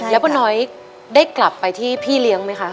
แล้วป้าน้อยได้กลับไปที่พี่เลี้ยงไหมคะ